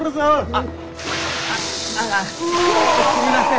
あああすみません。